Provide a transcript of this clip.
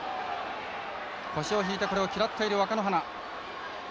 腰を引いてこれを嫌っている若乃花。